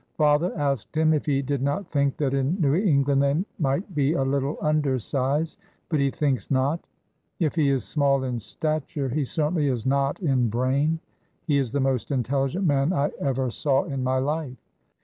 Father asked him if he did not think that in New England they might be a little under size, but he thinks not. If he is small in stature, he certainly is not in brain. He is the most intelligent man I ever saw in my life.